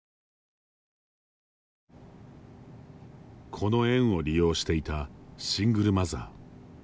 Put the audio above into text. この園を利用していたシングルマザー。